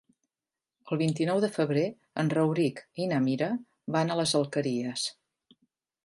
El vint-i-nou de febrer en Rauric i na Mira van a les Alqueries.